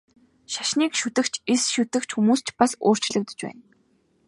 Шашныг шүтэгч, эс шүтэгч хүмүүс ч бас өөрчлөгдөж байна.